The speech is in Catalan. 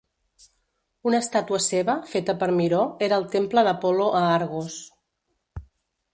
Una estàtua seva, feta per Miró, era al temple d'Apol·lo a Argos.